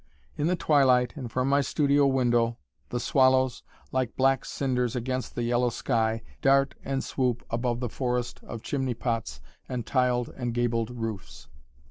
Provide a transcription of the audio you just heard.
In the twilight, and from my studio window the swallows, like black cinders against the yellow sky, dart and swoop above the forest of chimney pots and tiled and gabled roofs.